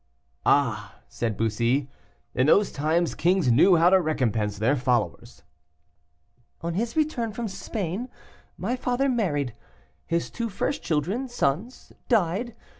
"Ah!" said Bussy, "in those times kings knew how to recompense their followers." "On his return from Spain my father married. His two first children, sons, died.